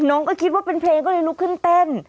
น้องก็คิดว่าเป็นเพลงก็เลยลุกขึ้นเต้น